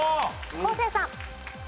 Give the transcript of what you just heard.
昴生さん。